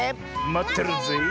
まってるぜえ。